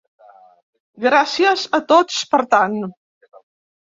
Gràcies a tots per tant!